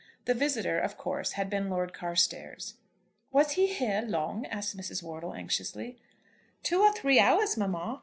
The visitor, of course, had been Lord Carstairs. "Was he here long?" asked Mrs. Wortle anxiously. "Two or three hours, mamma.